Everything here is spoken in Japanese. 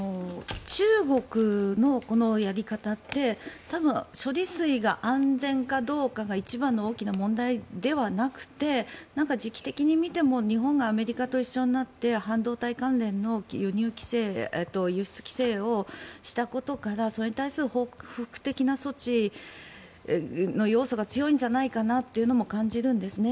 中国のやり方って多分、処理水が安全かどうかが一番の大きな問題ではなくて時期的に見ても日本がアメリカと一緒になって半導体関連の輸入規制と輸出規制をしたことからそれに対する報復的な措置の要素が強いんじゃないかなと感じるんですね。